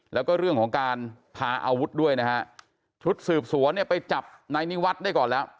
แล้วก็เรื่องของการพาอาวุธด้วยนะฮะชุดสืบสวนเนี่ยไปจับนายนิวัฒน์ได้ก่อนแล้ว